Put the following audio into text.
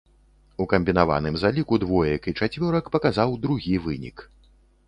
У камбінаваным заліку двоек і чацвёрак паказаў другі вынік.